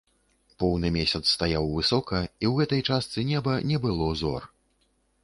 Поўны месяц стаяў высока, і ў гэтай частцы неба не было зор.